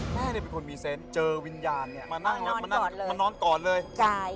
แม่นี่เป็นคนมีเซนเจอวิญญาณเนี่ยมานอนก่อนเลย